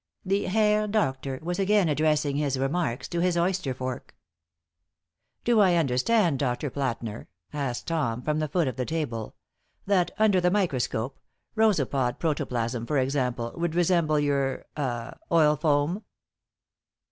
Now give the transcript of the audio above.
The Herr Doctor was again addressing his remarks to his oyster fork. "Do I understand you, Dr. Plätner," asked Tom, from the foot of the table, "that, under the microscope, rhozopod protoplasm, for example, would resemble your ah oil foam?"